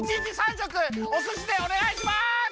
しょくおすしでおねがいします！